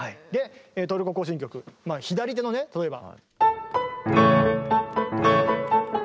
「トルコ行進曲」左手のね例えば。